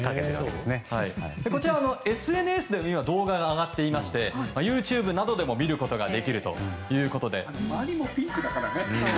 こちらはＳＮＳで動画が上がっていましてＹｏｕＴｕｂｅなどでも見ることができるということで。